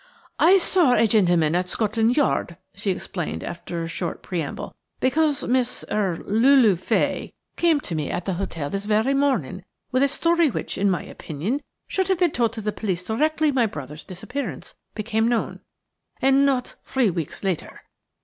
"I saw a gentleman at Scotland Yard," she explained, after a short preamble, "because Miss–er–Lulu Fay came to me at the hotel this very morning with a story which, in my opinion, should have been told to the police directly my brother's disappearance became known, and not three weeks later."